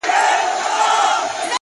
زه لاس په سلام سترگي راواړوه”